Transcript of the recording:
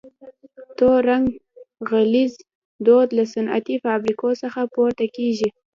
تور رنګه غلیظ دود له صنعتي فابریکو څخه پورته کیږي.